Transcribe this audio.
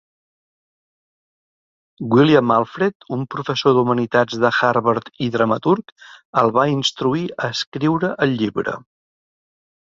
William Alfred, un professor d'humanitats de Harvard i dramaturg, el va instruir a escriure el llibre.